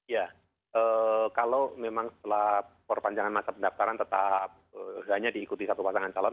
ya kalau memang setelah perpanjangan masa pendaftaran tetap hanya diikuti satu pasangan calon